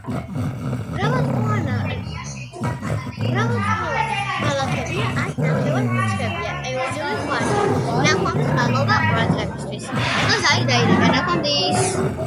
მრავალწლოვანი ბალახებია ან ნახევრად ბუჩქებია, ევრაზიული გვარია.